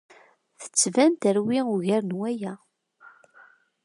Tettban terwi ugar n waya.